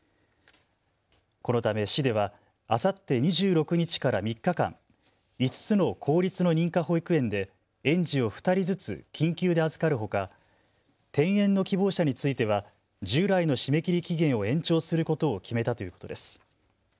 このため市ではあさって２６日から３日間、５つの公立の認可保育園で園児を２人ずつ緊急で預かるほか転園の希望者については従来の締め切り期限を延長することを決めたということです。